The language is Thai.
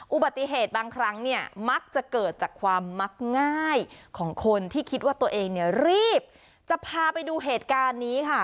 อุบัติเหตุบางครั้งเนี่ยมักจะเกิดจากความมักง่ายของคนที่คิดว่าตัวเองเนี่ยรีบจะพาไปดูเหตุการณ์นี้ค่ะ